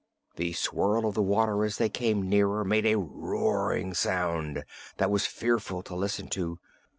The swirl of the water as they came nearer made a roaring sound that was fearful to listen to.